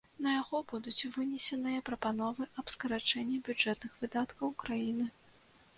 На яго будуць вынесеныя прапановы аб скарачэнні бюджэтных выдаткаў краіны.